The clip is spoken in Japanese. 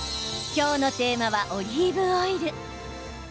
今日のテーマはオリーブオイル。